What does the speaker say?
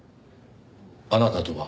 あなたとは？